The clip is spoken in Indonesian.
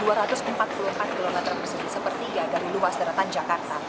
kota kuala lumpur juga bersedia seperti gagal di luas daratan jakarta